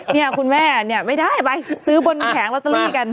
เนี่ยคุณแม่เนี่ยไม่ได้ไปซื้อบนแผงลอตเตอรี่กัน